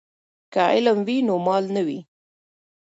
که علم وي نو مال نه وي.